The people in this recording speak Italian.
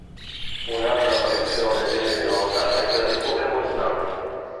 Un'altra apparizione degna di nota è quella di "Pokémon Snap".